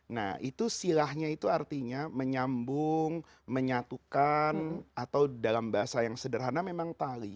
nah itu silahnya itu artinya menyambung menyatukan atau dalam bahasa yang sederhana memang tali